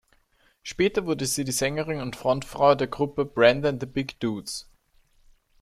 Später wurde sie die Sängerin und Frontfrau der Gruppe "Brenda and the Big Dudes".